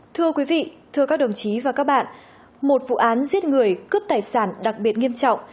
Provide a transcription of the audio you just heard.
thưa quý vị thưa các đồng chí và các bạn một vụ án giết người cướp tài sản đặc biệt nghiêm trọng